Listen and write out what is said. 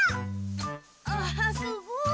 あすごい！